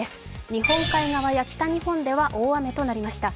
日本海側では北日本では大雨となりました。